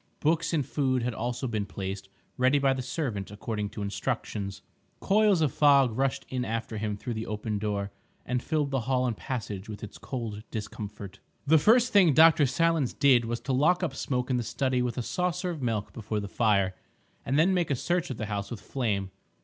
Books and food had also been placed ready by the servant according to instructions. Coils of fog rushed in after him through the open door and filled the hall and passage with its cold discomfort. The first thing Dr. Silence did was to lock up Smoke in the study with a saucer of milk before the fire, and then make a search of the house with Flame.